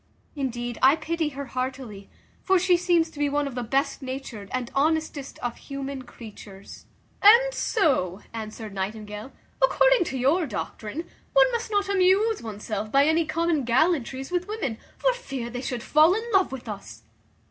Indeed, I pity her heartily; for she seems to be one of the best natured and honestest of human creatures." "And so," answered Nightingale, "according to your doctrine, one must not amuse oneself by any common gallantries with women, for fear they should fall in love with us."